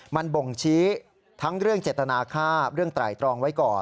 มันบ่งชี้ทั้งเรื่องเจตนาค่าเรื่องไตรตรองไว้ก่อน